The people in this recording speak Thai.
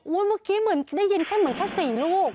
เมื่อกี้เหมือนได้ยินแค่เหมือนแค่๔ลูก